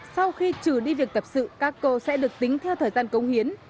sau khi trừ đi việc tập sự các cô sẽ được tính theo thời gian công hiến